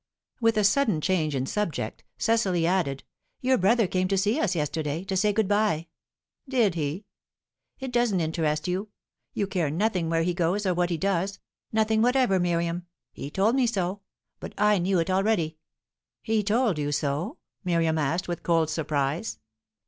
With a sudden change of subject, Cecily added, "Your brother came to see us yesterday, to say good bye." "Did he?" "It doesn't interest you. You care nothing where he goes, or what he does nothing whatever, Miriam. He told me so; but I knew it already." "He told you so?" Miriam asked, with cold surprise.